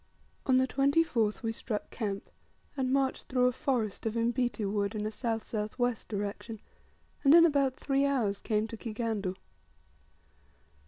On the 24th we struck camp, and marched through a forest of imbiti wood in a S.S.W. direction, and in about three hours came to Kigandu.